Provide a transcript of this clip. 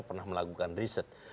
pernah melakukan riset